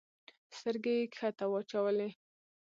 سترګي یې کښته واچولې !